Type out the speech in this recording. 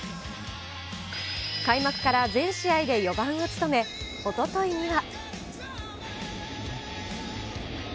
開幕から全試合で４番を務め、おとといには。